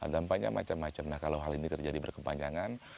dampaknya macam macam nah kalau hal ini terjadi berkepanjangan